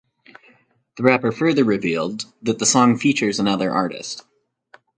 The rapper further revealed that the song features another artist.